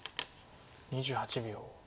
２８秒。